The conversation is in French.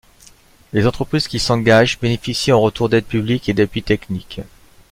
Les entreprises qui s'engagent, bénéficient en retour d'aides publiques et d'appui technique.